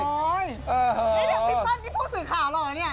พี่ปั้นนี่ผู้สื่อข่าวเหรอนี่